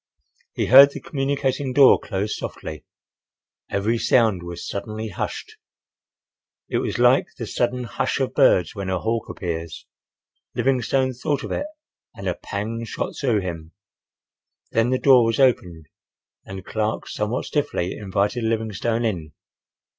He heard the communicating door close softly. Every sound was suddenly hushed. It was like the sudden hush of birds when a hawk appears. Livingstone thought of it and a pang shot through him. Then the door was opened and Clark somewhat stiffly invited Livingstone in.